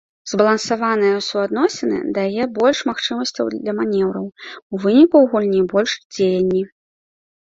Збалансаванае суадносіны дае больш магчымасцяў для манеўраў, у выніку ў гульні больш дзеянні.